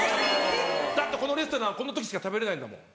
だってこのレストランはこの時しか食べれないんだもん。